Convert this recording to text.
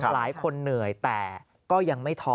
หลายคนเหนื่อยแต่ก็ยังไม่ท้อ